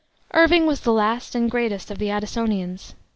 Irving was the last and greatest of the Addisonians.